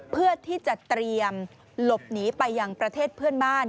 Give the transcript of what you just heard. เพื่อที่จะเตรียมหลบหนีไปยังประเทศเพื่อนบ้าน